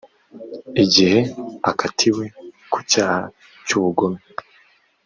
igihe akatiwe ku cyaha cy ubugome